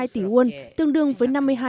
năm mươi chín hai tỷ won tương đương với